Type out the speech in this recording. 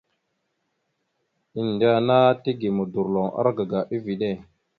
Endena kige modorloŋ argaga eveɗe.